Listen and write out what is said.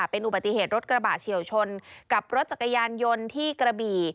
เป็นอุบัติเหตุรถกระบะเฉียวชนกับรถจักรยานยนต์ที่กระบี่